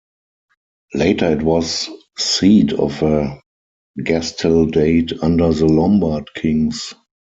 Later it was seat of a gastaldate under the Lombard kings.